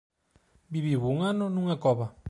Viviu un ano nunha cova.